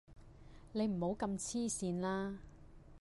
你唔好咁痴線啦